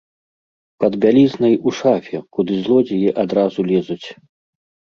Пад бялізнай у шафе, куды злодзеі адразу лезуць.